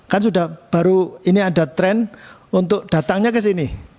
kan sudah baru ini ada tren untuk datangnya ke sini